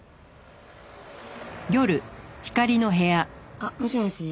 あっもしもし？